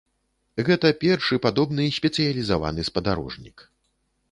Гэта першы падобны спецыялізаваны спадарожнік.